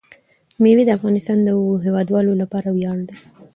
مېوې د افغانستان د هیوادوالو لپاره ویاړ دی.